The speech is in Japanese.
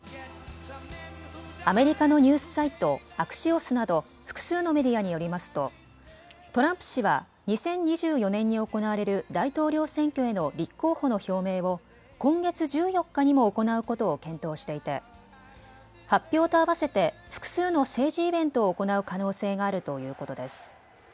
アメリカのニュースサイト、アクシオスなど複数のメディアによりますとトランプ氏は２０２４年に行われる大統領選挙への立候補の表明を今月１４日にも行うことを検討していて発表とあわせて複数の政治イベントを行う可能性があるということです。